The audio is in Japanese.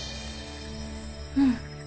うん。